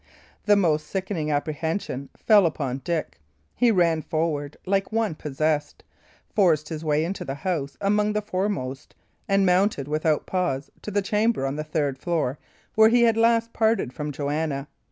The most sickening apprehension fell upon Dick. He ran forward like one possessed, forced his way into the house among the foremost, and mounted without pause to the chamber on the third floor where he had last parted from Joanna.